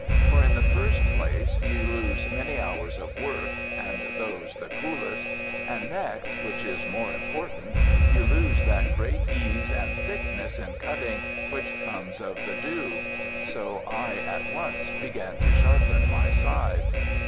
For, in the first place, you lose many hours of work (and those the coolest), and next which is more important you lose that great ease and thickness in cutting which comes of the dew. So I at once began to sharpen my scythe.